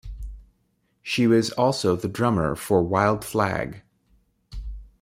She was also the drummer for Wild Flag.